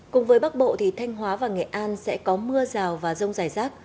cùng với bắc bộ thì thanh hóa và nghệ an sẽ có mưa rào và rông rải rác